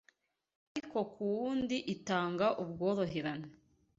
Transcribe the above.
Ariko ku wundi itanga ubworoherane